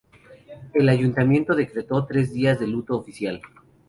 El Ayuntamiento decretó tres días de luto oficial.